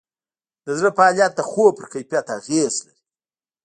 د زړه فعالیت د خوب پر کیفیت اغېز لري.